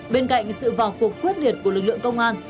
bên cạnh sự vào cuộc quyết liệt của lực lượng công an